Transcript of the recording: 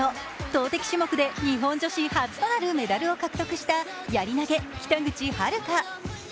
投てき種目で日本女子初となるメダルを獲得したやり投・北口榛花。